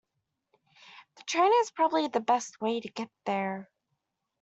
The train is probably the best way to get there.